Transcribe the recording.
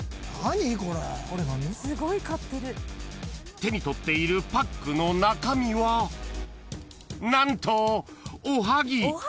［手に取っているパックの中身は何とおはぎ］